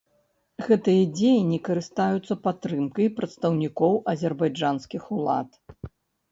Гэтыя дзеянні карыстаюцца падтрымкай прадстаўнікоў азербайджанскіх улад.